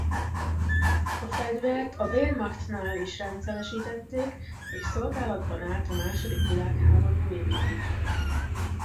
A fegyvert a Wehrmachtnál is rendszeresítették és szolgálatban állt a második világháború végéig.